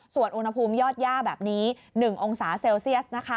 ส่วนอุณหภูมิยอดย่าแบบนี้๑องศาเซลเซียส